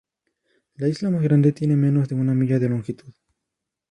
La isla más grande tiene menos de una milla de longitud.